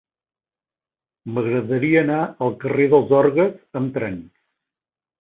M'agradaria anar al carrer dels Orgues amb tren.